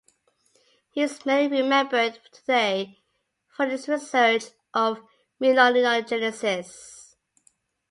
He is mainly remembered today for his research of myelinogenesis.